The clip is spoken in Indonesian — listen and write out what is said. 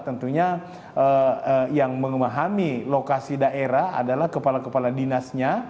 tentunya yang memahami lokasi daerah adalah kepala kepala dinasnya